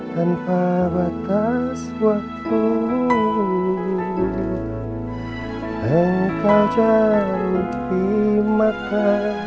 tanpa batas waktu engkau jauh di mata